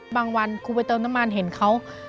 วันครูไปเติมน้ำมันเห็นเขา